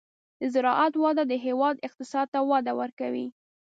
د زراعت وده د هېواد اقتصاد ته وده ورکوي.